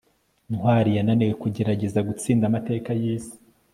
ntwali yananiwe kugerageza gutsinda amateka yisi